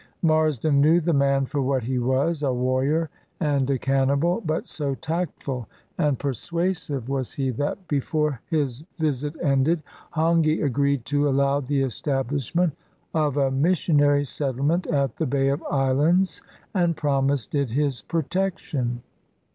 Marsden knew the man for what he was, a warrior and a cannibal; but so tactful and persuasive 496 i THE MISSIONARY AND THE CANNIBALS was he that, before his visit ended, Hongi agreed to allow the establishment of a missionary settlement at the Bay of Islands, and promised it his protection.